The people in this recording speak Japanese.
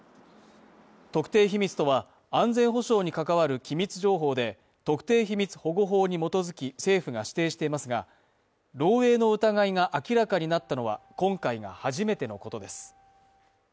特定秘密とは、安全保障に関わる機密情報で特定秘密保護法に基づき政府が指定していますが、漏えいの疑いが明らかになったのは今回が初めてのことです。